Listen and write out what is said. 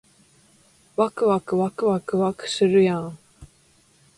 わくわくわくわくわくするやーん